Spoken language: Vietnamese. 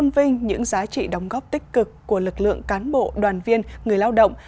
vinh những giá trị đóng góp tích cực của lực lượng cán bộ đoàn viên người lao động